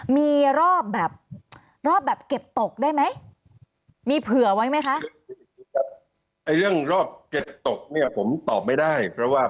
มีรอบแบบรอบแบบเก็บตกได้ไหมมีเผื่อไว้ไหมคะ